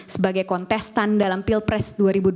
sebagai kontestan dalam pilpres dua ribu dua puluh